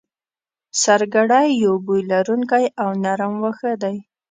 سرګړی یو بوی لرونکی او نرم واخه دی